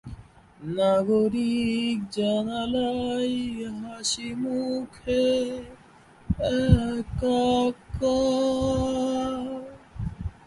তার খালা Anne Home Hunter ছিলেন কবি।